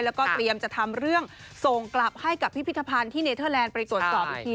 แล้วก็เตรียมจะทำเรื่องส่งกลับให้กับพิพิธภัณฑ์ที่เนเทอร์แลนดไปตรวจสอบอีกที